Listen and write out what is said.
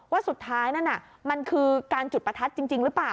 ว่าสุดท้ายนั่นน่ะมันคือการจุดประทัดจริงหรือเปล่า